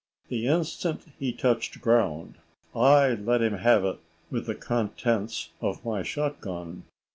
The instant he touched ground I let him have the contents of my shot gun.